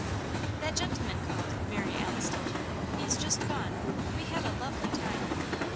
"That gentleman called," Mary Alice told her. "He's just gone. We had a lovely time."